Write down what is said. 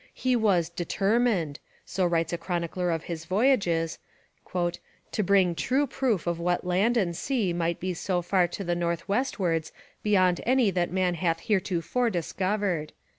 He was 'determined,' so writes a chronicler of his voyages, 'to bring true proof of what land and sea might be so far to the northwestwards beyond any that man hath heretofore discovered.'